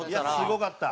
すごかった。